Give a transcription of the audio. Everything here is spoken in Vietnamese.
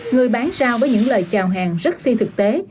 người bán giao với những lời chào hàng rất phi thực tế